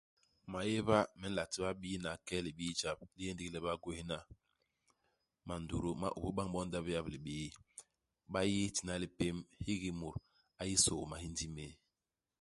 Maéba me nla ti babiina i kel libii jap, i yé ndigi le ba gwéhna. Mandutu ma ôbôs bañ bo ndap yap libii. Ba yi tina lipém. Hiki mut a yi sôô mahindi méé.